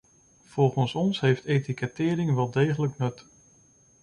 Volgens ons heeft etikettering wel degelijk nut.